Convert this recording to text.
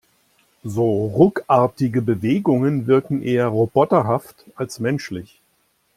So ruckartige Bewegungen wirken eher roboterhaft als menschlich.